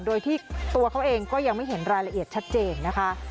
โดยที่ตัวเขาเองก็ยังไม่เห็นรายละเอียดชัดเจนนะคะ